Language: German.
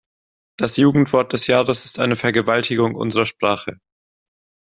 Das Jugendwort des Jahres ist eine Vergewaltigung unserer Sprache.